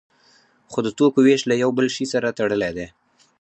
خو د توکو ویش له یو بل شی سره تړلی دی.